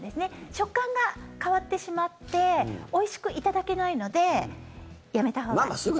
食感が変わってしまっておいしくいただけないのでやめたほうがいいと思います。